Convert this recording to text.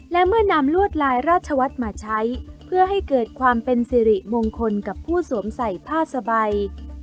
และเมื่อนำลวดลายราชวัฒน์มาใช้เพื่อให้เกิดความเป็นสิริมงคลกับผู้สวมใส่ผ้าสบาย